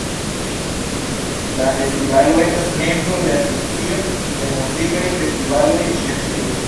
La festivalo estas membro de Asocio de muzikaj festivaloj de Ĉeĥio.